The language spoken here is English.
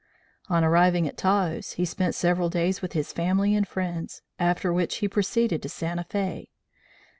On arriving at Taos, he spent several days with his family and friends, after which he proceeded to Santa Fe.